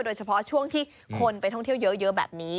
โดยเฉพาะช่วงที่คนไปท่องเที่ยวเยอะแบบนี้